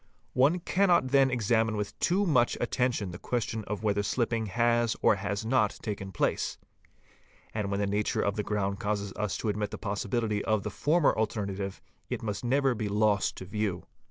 One cannot then examine with too much attention the — question of whether slhpping has or has not taken place ; and when the — nature of the ground causes us to admit the possibility of the former — alternative, it must never be lost to view.